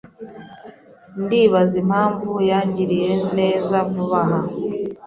Ndibaza impamvu yangiriye neza vuba aha.